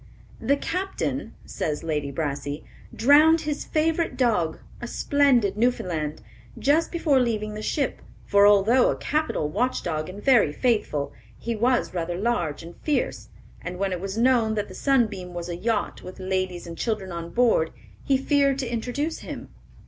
"The captain," says Lady Brassey, "drowned his favorite dog, a splendid Newfoundland, just before leaving the ship; for although a capital watchdog and very faithful, he was rather large and fierce; and when it was known that the Sunbeam was a yacht with ladies and children on board, he feared to introduce him.